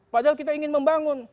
padahal kita ingin membangun